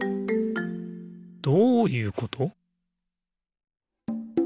どういうこと？